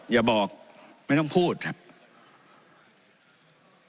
อย่าบอกไม่ต้องพูดครับ